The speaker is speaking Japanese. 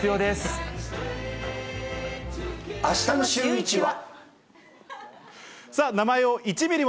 あしたのシューイチは。